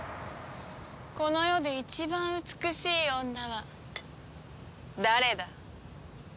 この世で一番美しい女は誰だ？